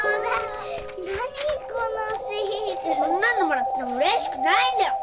こんなのもらってもうれしくないんだよ！